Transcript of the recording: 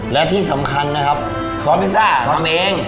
และที่สำคัญนะครับซอสพิซซ่าทำเอง